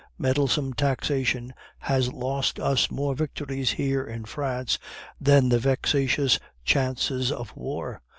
Meddlesome taxation has lost us more victories here in France than the vexatious chances of war.